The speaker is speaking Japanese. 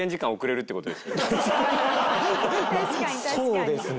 そうですね。